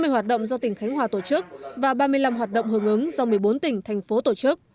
ba mươi hoạt động do tỉnh khánh hòa tổ chức và ba mươi năm hoạt động hưởng ứng do một mươi bốn tỉnh thành phố tổ chức